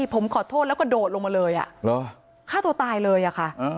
ผมขอโทษแล้วกระโดดลงมาเลยฆ่าตัวตายเลยอะค่ะ